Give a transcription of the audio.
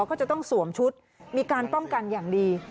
ก็จะต้องสวมชุดมีการป้องกันอย่างดี